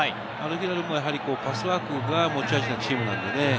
アルヒラルもパスワークが持ち味のチームなので。